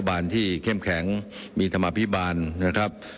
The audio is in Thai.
มากแล้วบ้างนะครับ